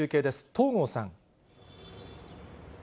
東郷さん。